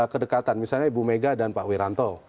kedekatan misalnya ibu mega dan pak wiranto